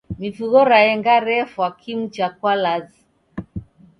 Mifugho raenga refwa kimu cha kwalazi.